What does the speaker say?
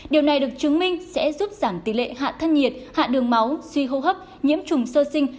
điều này được chứng minh sẽ giúp giảm tỷ lệ hạ thân nhiệt hạ đường máu suy hô hấp nhiễm trùng sơ sinh